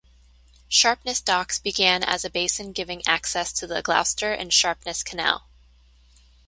Sharpness docks began as a basin giving access to the Gloucester and Sharpness Canal.